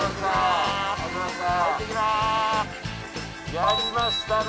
やりましたね。